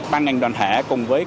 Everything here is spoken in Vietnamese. ban ngành đoàn thể cùng với